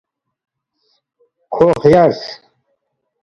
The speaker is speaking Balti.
کھو خیارس